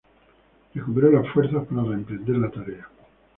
Recuperó las fuerzas para reemprender la tarea.